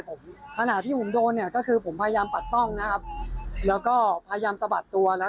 คุณคณะกรโดนแฟนเก่าคบต่อ